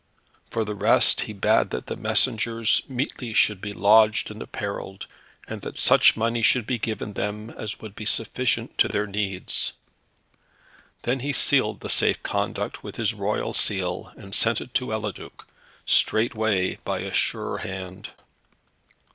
For the rest he bade that the messengers meetly should be lodged and apparelled, and that such money should be given them as would be sufficient to their needs. Then he sealed the safe conduct with his royal seal, and sent it to Eliduc, straightway, by a sure hand.